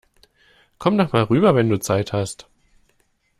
Komm doch mal rüber, wenn du Zeit hast!